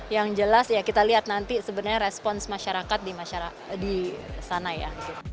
yang jelas ya kita lihat nanti sebenarnya respons masyarakat di sana ya